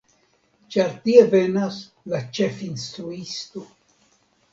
Ĉar tie venas la ĉefinstruisto.